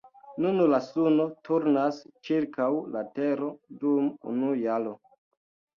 Nun la suno turnas ĉirkaŭ la tero dum unu jaro.